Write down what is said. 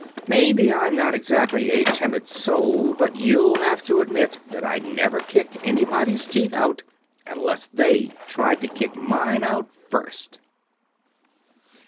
Maybe I'm not exactly a Timid Soul, but you'll have to admit that I never kicked anybody's teeth out unless they tried to kick mine out first."